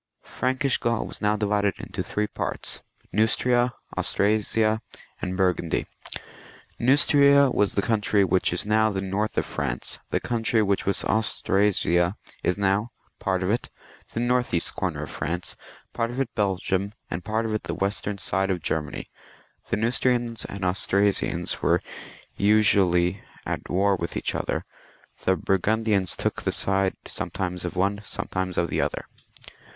Frankish Gaul was now divided into three parts, Neustria, Austrasia, and Burgundy. Neustria was the country which is now the north of France ; the country which was Aus trasia is now part of it the north east comer of France ; part of it Belgium, and part of it the western side of Ger many. The Neustrians and Australians were usually at war with each other ; the Burgundians took the side some times of one, sometimes of the other.